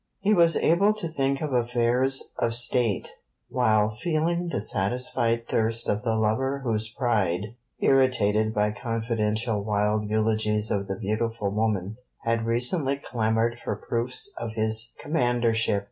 He was able to think of affairs of State while feeling the satisfied thirst of the lover whose pride, irritated by confidential wild eulogies of the beautiful woman, had recently clamoured for proofs of his commandership.